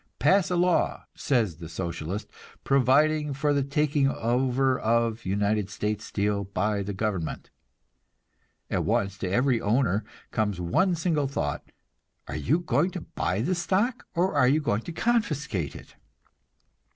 "Pass a law," says the Socialist, "providing for the taking over of United States Steel by the government." At once to every owner comes one single thought are you going to buy this stock, or are you going to confiscate it?